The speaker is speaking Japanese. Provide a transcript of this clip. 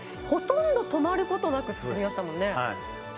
ほとんど止まることなく進みましたもんね。